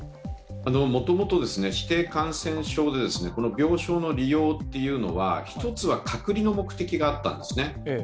もともと指定感染症で病床の利用っていうのは１つは隔離の目的があったんですね